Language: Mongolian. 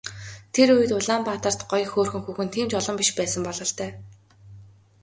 Тэр үед Улаанбаатарт гоё хөөрхөн хүүхэн тийм ч олон биш байсан бололтой.